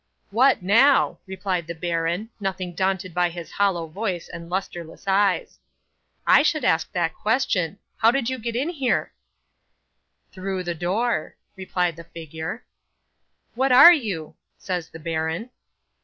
'"What now!" replied the baron, nothing daunted by his hollow voice and lustreless eyes. "I should ask that question. How did you get here?" '"Through the door," replied the figure. '"What are you?" says the baron.